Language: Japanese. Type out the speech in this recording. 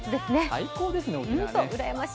最高ですね、沖縄。